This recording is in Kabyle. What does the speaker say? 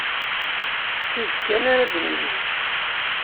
D tidet kan ara d-nini.